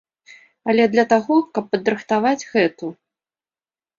Але для таго, каб падрыхтаваць гэту.